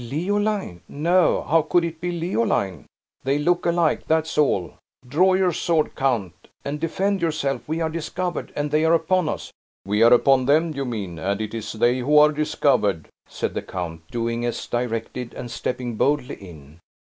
"Leoline! No how could it be Leoline? They look alike, that's all. Draw your sword, count, and defend yourself; we are discovered, and they are upon us!" "We are upon them, you mean, and it is they who are discovered," said the count, doing as directed, and stepping boldly in.